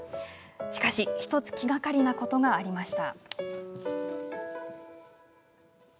しかし１つ気がかりなことがありました。